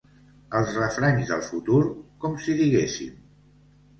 Els refranys del futur, com si diguéssim.